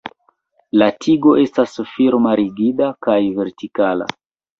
La tigo estas firma rigida kaj vertikala.